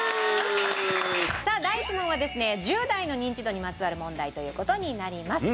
さあ第１問はですね１０代のニンチドにまつわる問題という事になります。